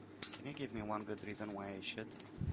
Can you give me one good reason why I should?